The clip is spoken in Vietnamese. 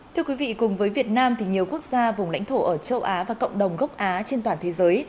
thưa quý vị cùng với việt nam thì nhiều quốc gia vùng lãnh thổ ở châu á và cộng đồng gốc á trên toàn thế giới